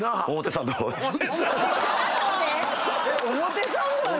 表参道で⁉